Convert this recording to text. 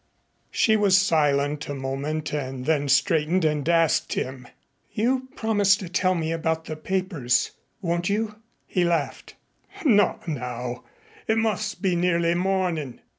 She was silent a moment and then straightened and asked him: "You promised to tell me about the papers. Won't you?" He laughed. "Not now. It must be nearly morning."